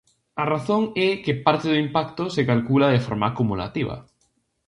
A razón é que parte do impacto se calcula de forma acumulativa.